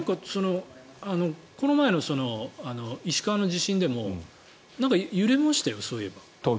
この前の石川の地震でも揺れましたよ、そういえば。